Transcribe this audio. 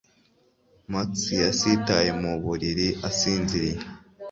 Max yasitaye mu buriri asinziriye